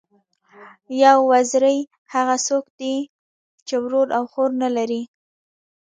یو وزری، هغه څوک دئ، چي ورور او خور نه لري.